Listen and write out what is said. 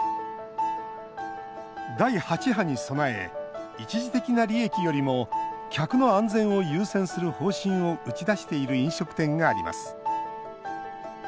第８波に備え一時的な利益よりも客の安全を優先する方針を打ち出している飲食店があります。